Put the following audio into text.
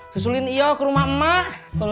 susulin iya ke rumah emak